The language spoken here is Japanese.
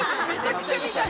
見たい。